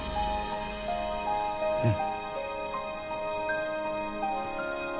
うん。